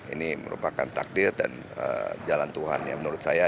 ini merupakan takdir dan jalan tuhan ya menurut saya